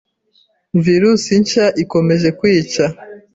Virus nshya ikomeje kwica,